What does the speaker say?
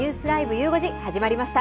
ゆう５時始まりました。